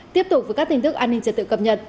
tiếp tục với các tin tức an ninh trật tự cập nhật